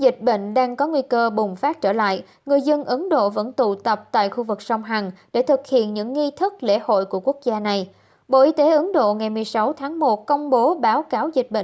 các bạn hãy đăng ký kênh để ủng hộ kênh của chúng mình nhé